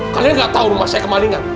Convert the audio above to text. kalian gak tahu rumah saya kemalingan